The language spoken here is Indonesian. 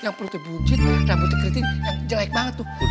yang putih buncit yang putih keriting yang jelek banget tuh